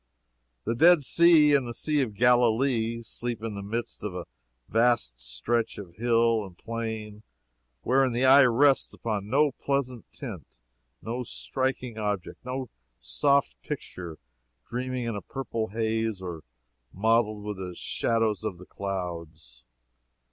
The Dead Sea and the Sea of Galilee sleep in the midst of a vast stretch of hill and plain wherein the eye rests upon no pleasant tint, no striking object, no soft picture dreaming in a purple haze or mottled with the shadows of the clouds.